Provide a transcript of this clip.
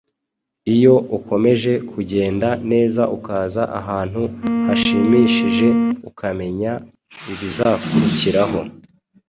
Iyo ukomeje kugenda neza ukaza ahantu hashimishije ukamenya ibizakurikiraho,